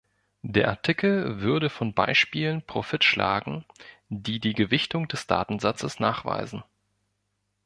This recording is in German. Der Artikel würde von Beispielen Profit schlagen, die die Gewichtung des Datensatzes nachweisen.